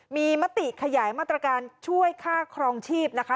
มีมติขยายมาตรการช่วยค่าครองชีพนะคะ